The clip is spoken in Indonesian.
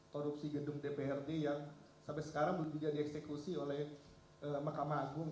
korupsi gedung dprd yang sampai sekarang belum juga dieksekusi oleh mahkamah agung